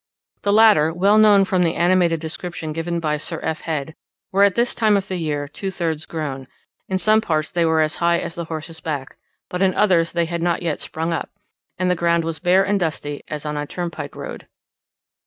The latter, well known from the animated description given by Sir F. Head, were at this time of the year two thirds grown; in some parts they were as high as the horse's back, but in others they had not yet sprung up, and the ground was bare and dusty as on a turnpike road.